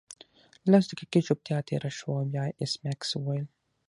لس دقیقې چوپتیا تیره شوه او بیا ایس میکس وویل